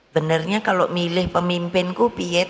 benarnya kalau milih pemimpinku piet